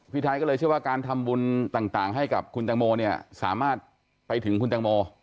ไทยก็เลยเชื่อว่าการทำบุญต่างให้กับคุณตังโมเนี่ยสามารถไปถึงคุณแตงโม